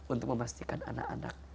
untuk memastikan anak anak